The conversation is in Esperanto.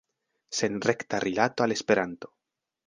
Sen rekta rilato al Esperanto.